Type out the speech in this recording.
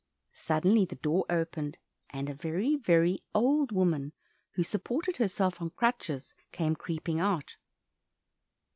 Suddenly the door opened, and a very, very old woman, who supported herself on crutches, came creeping out.